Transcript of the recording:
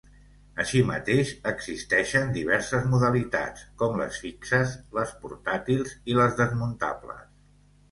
Així mateix, existeixen diverses modalitats, com les fixes, les portàtils i les desmuntables.